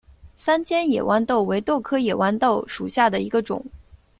三尖野豌豆为豆科野豌豆属下的一个种。